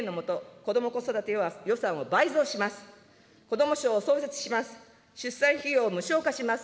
子ども省を創設します。